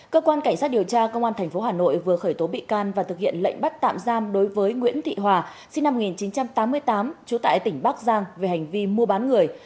cơ quan cảnh sát điều tra công an tp hà nội vừa khởi tố bị can và thực hiện lệnh bắt tạm giam đối với nguyễn thị hòa sinh năm một nghìn chín trăm tám mươi tám trú tại tỉnh bắc giang về hành vi mua bán người